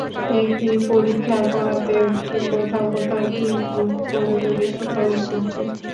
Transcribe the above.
একই পরীক্ষা করাতে কোথাও কোথাও তিন গুণ পর্যন্ত বেশি খরচ পড়ছে।